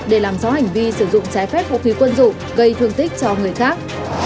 để làm rõ hành vi sử dụng trái phép vũ khí quân dụng gây thương tích cho người khác